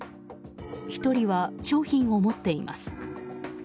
１人は商品を持っています。